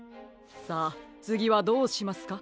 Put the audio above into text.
さあつぎはどうしますか？